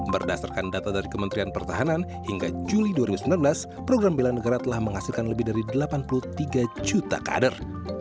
berdasarkan data dari kementerian pertahanan hingga juli dua ribu sembilan belas program bela negara telah menghasilkan lebih dari delapan puluh tiga juta kader